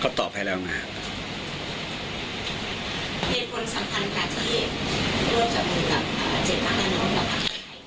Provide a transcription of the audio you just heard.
เป็นคนสำคัญค่ะที่ร่วมจับมือกับเจ็ดภาคการเมืองฮัฟถาไทย